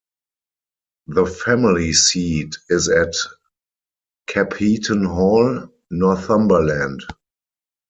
The family seat is at Capheaton Hall, Northumberland.